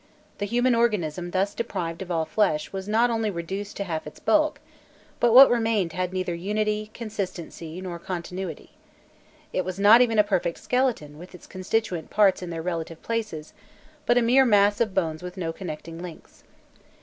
The human organism thus deprived of all flesh was not only reduced to half its bulk, but what remained had neither unity, consistency, nor continuity. It was not even a perfect skeleton with its constituent parts in their relative places, but a mere mass of bones with no connecting links.